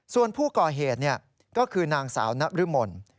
ส่วนผู้ก่อเหตุก็คือนางสาวนรมน